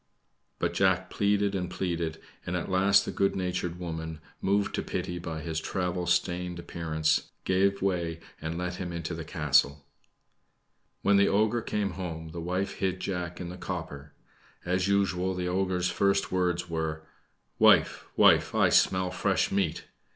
But Jack pleaded and pleaded, and at last the good natured woman, moved to pity by his travel stained appearance, gave way and let him into the castle. When the ogre came home, the wife hid Jack in the copper. As usual, the ogre's first words were: "Wife, wife, I smell fresh meat!"